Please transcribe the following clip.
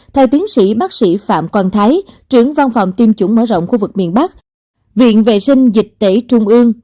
theo tiến sĩ bác sĩ phạm quang thái trưởng văn phòng tiêm chủng mở rộng khu vực miền bắc viện vệ sinh dịch tễ trung ương